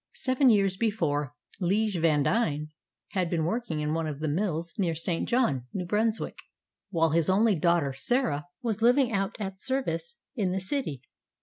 Seven years before, 'Lije Vandine had been working in one of the mills near St. John, New Brunswick, while his only daughter, Sarah, was living out at service in the city.